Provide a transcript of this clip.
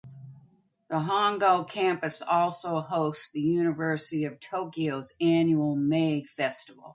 The Hongo campus also hosts the University of Tokyo's annual May Festival.